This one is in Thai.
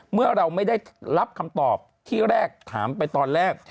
เมื่อเราไม่ได้รับคำตอบที่แรกถามไปตอนแรก